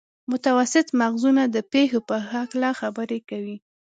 متوسط مغزونه د پېښو په هکله خبرې کوي.